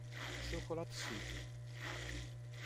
Chocolate City